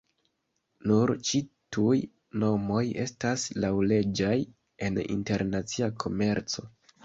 Nur ĉi-tuj nomoj estas laŭleĝaj en internacia komerco.